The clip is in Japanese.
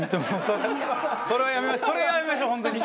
それはやめましょう本当に。